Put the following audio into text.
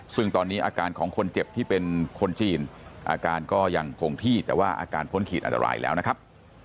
ซึ่งตอนนี้อาการของคนเจ็บที่เป็นคนจีนอาการก็ยังคงที่แต่ว่าอาการพ้นขีดอันตรายแล้วนะครับ